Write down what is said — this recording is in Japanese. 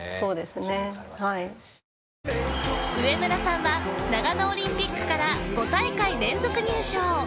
注目されますね上村さんは長野オリンピックから５大会連続入賞